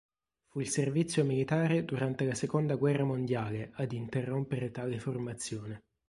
Fu il servizio militare durante la Seconda guerra mondiale ad interrompere tale formazione.